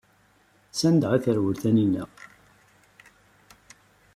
Sanda ay terwel Taninna?